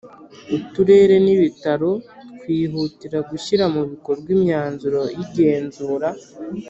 Uturere n Ibitaro kwihutira gushyira mu bikorwa imyanzuro y igenzura